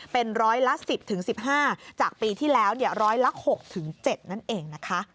เป็นร้อยละ๑๐๑๕จากปีที่แล้วร้อยละ๖๗นั่นเองนะคะ